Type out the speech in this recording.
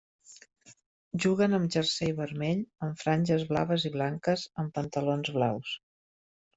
Juguen amb jersei vermell amb franges blaves i blanques amb pantalons blaus.